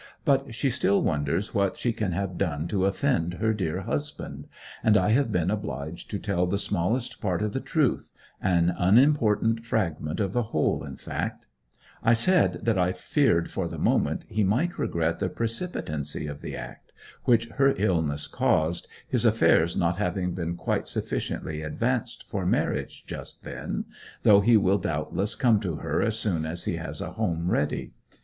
But she still wonders what she can have done to offend 'her dear husband,' and I have been obliged to tell the smallest part of the truth an unimportant fragment of the whole, in fact, I said that I feared for the moment he might regret the precipitancy of the act, which her illness caused, his affairs not having been quite sufficiently advanced for marriage just then, though he will doubtless come to her as soon as he has a home ready.